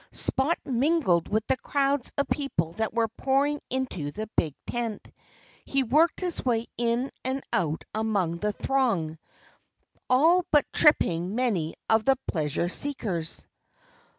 Spot mingled with the crowds of people that were pouring into the big tent. He worked his way in and out among the throng, all but tripping many of the pleasure seekers.